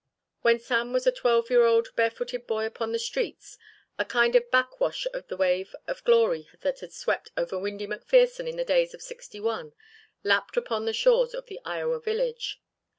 When Sam was a twelve year old, barefooted boy upon the streets a kind of backwash of the wave of glory that had swept over Windy McPherson in the days of '61 lapped upon the shores of the Iowa village.